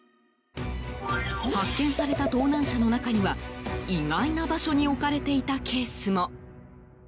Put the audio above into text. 発見された盗難車の中には意外な場所に置かれていたケースも。